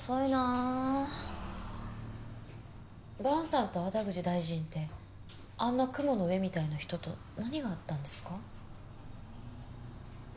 萬さんと粟田口大臣ってあんな雲の上みたいな人と何があったんですか？